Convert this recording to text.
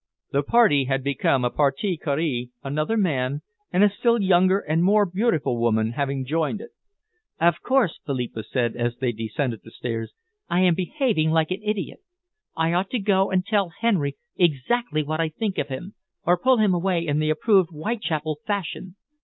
The party had become a partie Carríe, another man, and a still younger and more beautiful woman having joined it. "Of course," Philippa said, as they descended the stairs, "I am behaving like an idiot. I ought to go and tell Henry exactly what I think of him, or pull him away in the approved Whitechapel fashion.